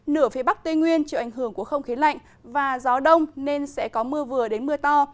nửa phía bắc tây nguyên chịu ảnh hưởng của không khí lạnh và gió đông nên sẽ có mưa vừa đến mưa to